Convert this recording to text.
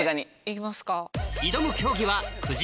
いきますか。